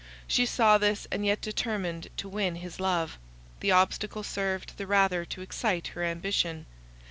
She saw this, and yet determined to win his love; the obstacle served the rather to excite her ambition.